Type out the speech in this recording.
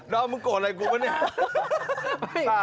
อมมึงโกรธอะไรกูวะเนี่ย